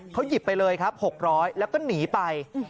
เขาหยิบไปเลยครับ๖๐๐แล้วก็หนีไป